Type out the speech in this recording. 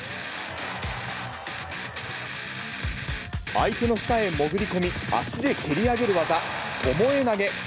相手の下へ潜り込み、足で蹴り上げる技、巴投げ。